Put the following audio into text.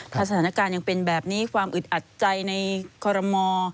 ถ้าสถานการณ์ยังเป็นแบบนี้ความอึดอัดใจในคอรมอ